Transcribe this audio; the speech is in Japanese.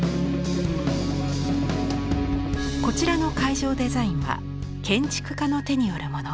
こちらの会場デザインは建築家の手によるもの。